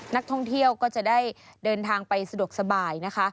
นักท่องเที่ยวก็จะได้เดินทางไปสะดวกสบายนะคะ